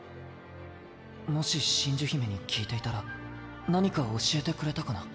もし真珠姫に聞いていたら何か教えてくれたかな？